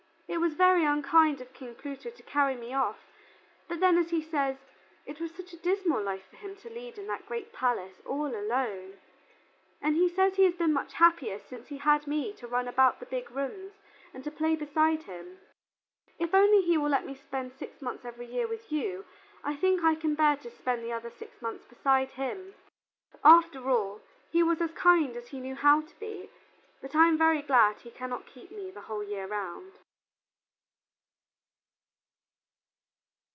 "It was very unkind of King Pluto to carry me off, but then, as he says, it was such a dismal life for him to lead in that great palace all alone: and he says he has been much happier since he had me to run about the big rooms and to play beside him. If only he will let me spend six months every year with you, I think I can bear to spend the other six months beside him. After all, he was as kind as he knew how to be, but I am very glad he cannot keep me the whole year round."